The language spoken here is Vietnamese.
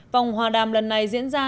vòng hòa đàm lần này diễn ra